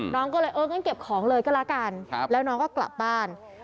น้องก็เลยเอองั้นเก็บของเลยก็แล้วกันแล้วน้องก็กลับบ้าน